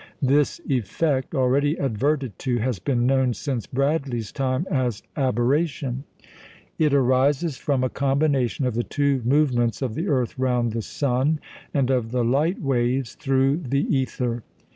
This effect (already adverted to) has been known since Bradley's time as "aberration." It arises from a combination of the two movements of the earth round the sun and of the light waves through the ether.